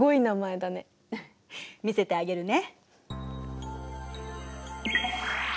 見せてあげるね。